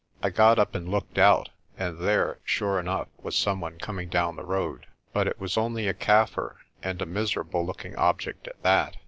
I got up and looked out, and there sure enough was some one coming down the road. But it was only a Kaffir, and a miserable looking object at that.